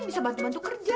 bisa bantu bantu kerja